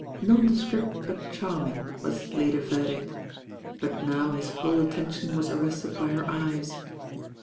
Nondescript but charming, was his later verdict; but now his whole attention yn% arrested by her eyes.